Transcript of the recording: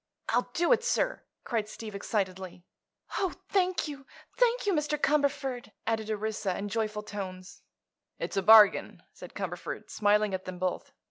"I'll do it, sir!" cried Steve, excitedly. "Oh, thank you! Thank you, Mr. Cumberford," added Orissa, in joyful tones. "It's a bargain," said Cumberford, smiling at them both.